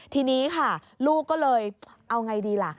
ทีนี้ค่ะลูกก็เลยเอาไงดีล่ะ